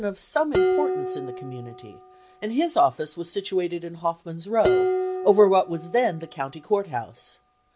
74 FIRST PARTNERSHIP some importance in the community, and his office was situated in Hoffman's Row, over what was then the county court house.